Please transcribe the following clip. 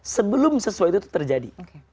sebelum sesuatu itu terjadi